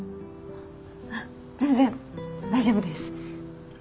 あっ全然大丈夫です